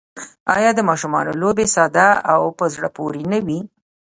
آیا د ماشومانو لوبې ساده او په زړه پورې نه وي؟